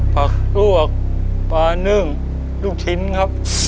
ผักลวกปลานึ่งลูกชิ้นครับ